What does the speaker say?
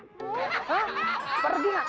hah pergi gak